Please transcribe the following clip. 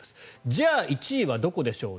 じゃあ１位はどこでしょう。